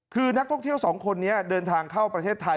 คือนักท่องเที่ยวสองคนนี้เดินทางเข้าประเทศไทย